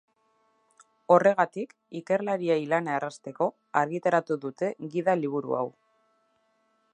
Horregatik, ikerlariei lana errazteko, argitaratu dute gida-liburu hau.